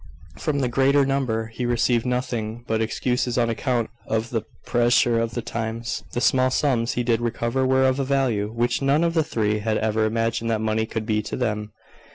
From the greater number he received nothing but excuses on account of the pressure of the times. The small sums he did recover were of a value which none of the three had ever imagined that money could be to them.